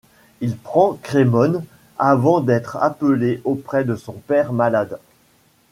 Il prend Crémone, avant d’être appelé auprès de son père malade.